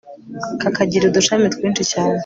kakagira udushami twinshi cyane